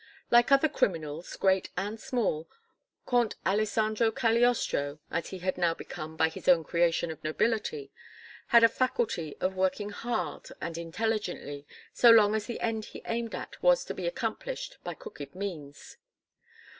Like other criminals, great and small, Comte Alessandro Cagliostro as he had now become by his own creation of nobility had a faculty of working hard and intelligently so long as the end he aimed at was to be accomplished by crooked means.